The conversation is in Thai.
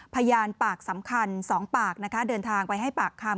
พยานปากสำคัญ๒ปากนะคะเดินทางไปให้ปากคำ